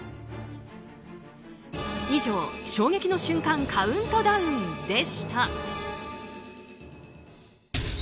以上衝撃の瞬間カウントダウンでした。